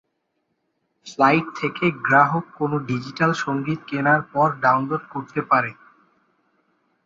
Flight থেকে গ্রাহক যেকোনো ডিজিটাল সংগীত কেনার পর ডাউনলোড করতে পারে।